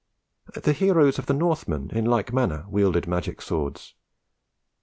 The heroes of the Northmen in like manner wielded magic swords.